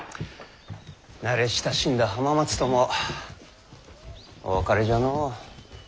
慣れ親しんだ浜松ともお別れじゃのう。